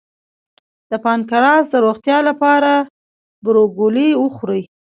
د پانکراس د روغتیا لپاره بروکولي وخورئ